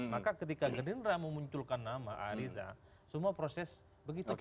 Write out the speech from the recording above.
maka ketika gerinda memunculkan nama arissa semua proses begitu juga terjadi